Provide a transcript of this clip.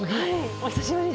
お久しぶりで。